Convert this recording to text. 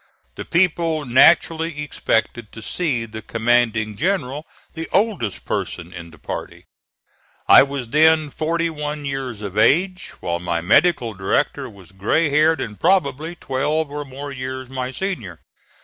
The people naturally expected to see the commanding general the oldest person in the party. I was then forty one years of age, while my medical director was gray haired and probably twelve or more years my senior.